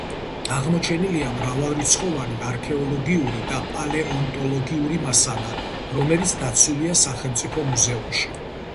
აღმოჩენილია მრავალრიცხოვანი არქეოლოგიური და პალეონტოლოგიური მასალა, რომელიც დაცულია სახელმწიფო მუზეუმში.